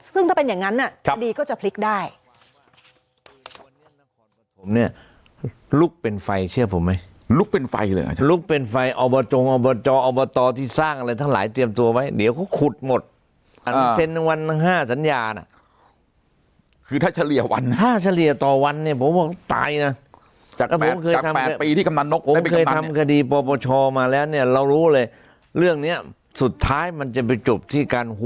ซึ่งถ้าเป็นอย่างนั้นคดีก็จะพลิกได้